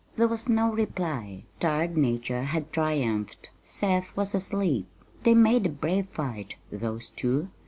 There was no reply. Tired nature had triumphed Seth was asleep. They made a brave fight, those two.